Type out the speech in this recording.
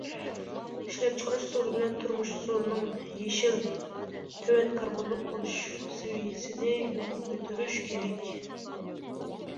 ئىشلەپچىقىرىش ئۇسۇلى بىلەن تۇرمۇش ئۇسۇلىنىڭ يېشىل، تۆۋەن كاربونلۇق بولۇش سەۋىيەسىنى يۇقىرى كۆتۈرۈش كېرەك.